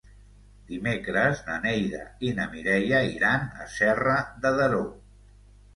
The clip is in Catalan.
Dimecres na Neida i na Mireia iran a Serra de Daró.